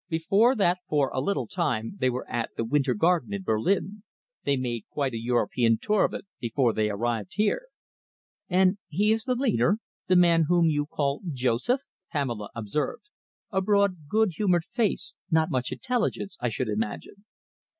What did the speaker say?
Before that, for a little time, they were at the Winter Garden in Berlin. They made quite a European tour of it before they arrived here." "And he is the leader the man whom you call Joseph," Pamela observed. "A broad, good humoured face not much intelligence, I should imagine."